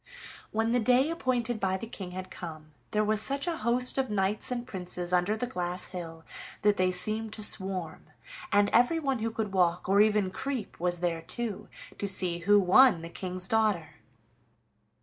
When the day appointed by the King had come, there was such a host of knights and princes under the glass hill that they seemed to swarm, and everyone who could walk or even creep was there too, to see who won the King's daughter.